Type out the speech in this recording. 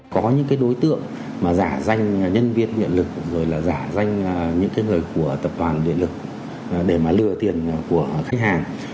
có những đối tượng giả danh nhân viên điện lực giả danh những người của tập đoàn điện lực để lừa tiền của khách hàng